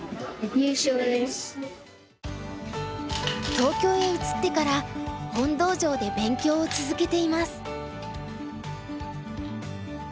東京へ移ってから洪道場で勉強を続けています。